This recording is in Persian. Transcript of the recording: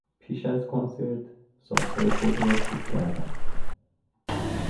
پیش از کنسرت، سازهای خود را کوک کردند.